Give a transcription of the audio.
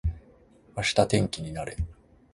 明日天気になれ